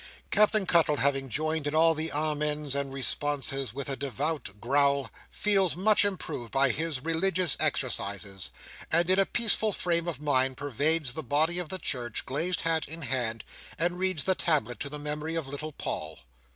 Captain Cuttle, having joined in all the amens and responses, with a devout growl, feels much improved by his religious exercises; and in a peaceful frame of mind pervades the body of the church, glazed hat in hand, and reads the tablet to the memory of little Paul.